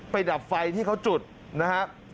ไปดับไฟที่เขาจุดนะครับ